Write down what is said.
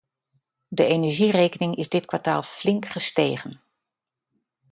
De energierekening is dit kwartaal flink gestegen.